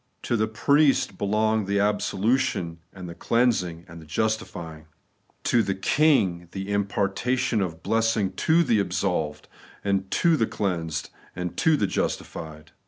To the Priest belong the absolution and the cleansing and the justifying ; to the King, the impartation of blessing to the absolved and the cleansed and the justified.